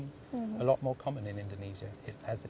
ketika orang orang memahami risiko